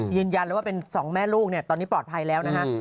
ยืนยันเลยว่าเป็นสองแม่ลูกตอนนี้ปลอดภัยแล้วนะฮะ